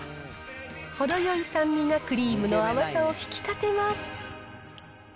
程よい酸味がクリームの甘さを引き立てます。